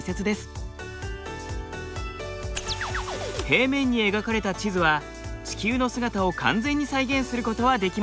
平面に描かれた地図は地球の姿を完全に再現することはできません。